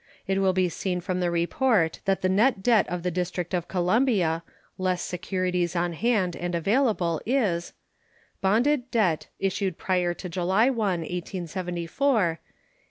It will be seen from the report that the net debt of the District of Columbia, less securities on hand and available, is: Bonded debt issued prior to July 1, 1874 $8,883,940.43 3.